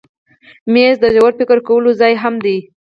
مېز د ژور فکر کولو ځای هم دی.